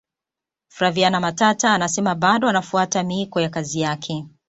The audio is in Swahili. flaviana matata anasema bado anafuata miiko ya kazi yake